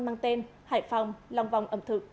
mang tên hải phòng long vòng ẩm thực